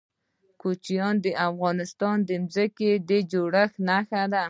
کوچیان د افغانستان د ځمکې د جوړښت نښه ده.